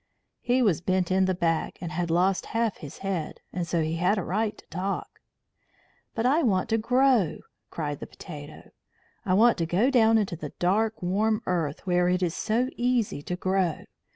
He was bent in the back and had lost half his head, so he had a right to talk. "But I want to grow!" cried the potato. "I want to go down into the dark warm earth, where it is so easy to grow.